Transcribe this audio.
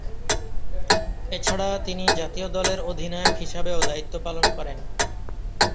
এছাড়া তিনি জাতীয় দলের অধিনায়ক হিসাবেও দায়িত্ব পালন করেন।